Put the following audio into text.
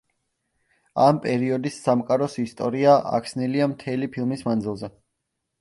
ამ პერიოდის სამყაროს ისტორია ახსნილია მთელი ფილმის მანძილზე.